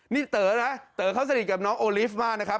นี่เต๋อนะเต๋อเขาสนิทกับน้องโอลิฟต์มากนะครับ